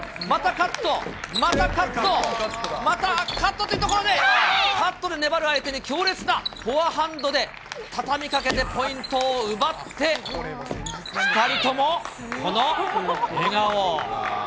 またカット、またカット、また、カットというところで、カットで粘る相手に強烈なフォアハンドで畳かけてポイントを奪って、２人ともこの笑顔。